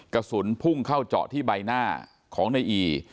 กระสุนพุ่งเข้าเจาะที่ใบหน้าของในอี